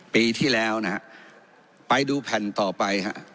ปีที่แล้วนะฮะไปดูแผ่นต่อไปฮะ